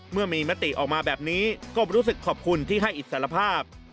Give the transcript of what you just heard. เมื่อมีมติออกมาแบบนี้ก็รู้สึกขอบคุณที่ให้อิสรภาพ